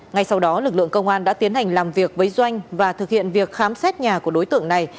ngay sau đó lực lượng công an đã tiến hành làm việc với doanh và thực hiện việc khám xét nhà của đối tượng này